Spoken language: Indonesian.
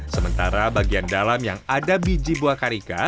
sementara bagian dalam yang ada biji buah karika